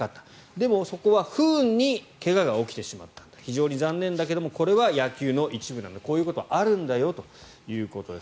でも、そこは不運に怪我が起きてしまった非常に残念だけれどもこれは野球の一部だとこういうことはあるんだよということです。